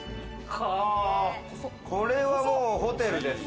これはもうホテルです。